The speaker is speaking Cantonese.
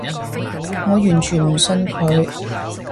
我完全唔信佢